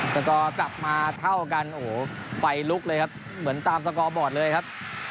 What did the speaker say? สกอร์กลับมาเท่ากันโอ้โหไฟลุกเลยครับเหมือนตามสกอร์บอร์ดเลยครับ